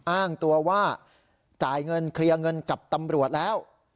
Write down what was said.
อ้างตัวว่าจ่ายเงินเคลียร์เงินกับตำรวจแล้ว